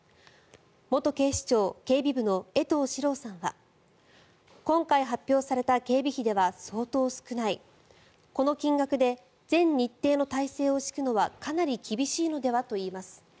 元警視庁警備部の江藤史朗さんは今回発表された警備費では相当少ないこの金額で全日程の態勢を敷くのはかなり厳しいのではといいます。